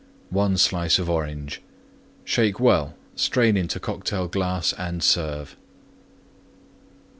1 Slice Orange. Shake well; strain into Cocktail glass and serve.